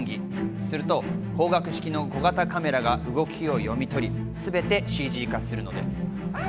すると、光学式の小型カメラが動きを読み取り、すべてＣＧ化するのです。